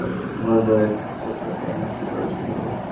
আমার ভয়ে প্রস্রাব করে প্যান্ট নষ্ট করা উচিত ওর!